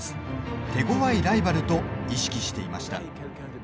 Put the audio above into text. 手強いライバルと意識していました。